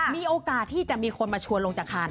มีโอกาสที่จะมีคนมาชวนลงจากคาร